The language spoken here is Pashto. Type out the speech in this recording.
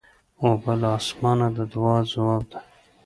اوبه له اسمانه د دعا ځواب دی.